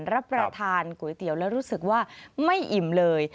รับประทานก๋วยเตี๋ยวแล้วรู้สึกว่าไม่อิ่มเลย